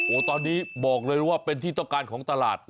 โอ้โหตอนนี้บอกเลยว่าเป็นที่ต้องการของตลาด